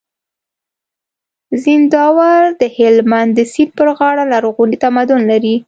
زينداور د هلمند د سيند پر غاړه لرغونی تمدن لري